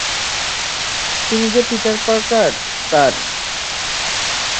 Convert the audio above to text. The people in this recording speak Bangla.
তুমি যে পিটার পার্কার, তার।